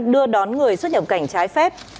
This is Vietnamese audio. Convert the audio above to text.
đưa đón người xuất nhập cảnh trái phép